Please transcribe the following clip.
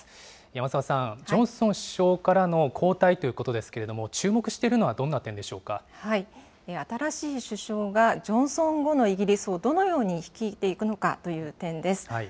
山澤さん、ジョンソン首相からの交代ということですけれども、注目している新しい首相が、ジョンソン後のイギリスをどのように率いていくのかという点です。